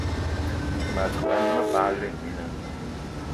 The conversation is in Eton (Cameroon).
Mas gan, me bagla mina